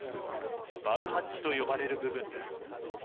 バウハッチと呼ばれる部分です。